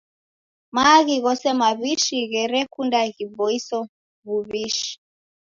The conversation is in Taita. Maaghi ghose maw'ishi gherekunda ghiboiso w'uw'ishi.